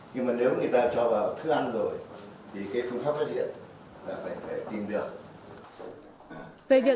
nhưng mà nếu người ta cho vào thức ăn rồi thì cái phương pháp phát hiện là phải tìm được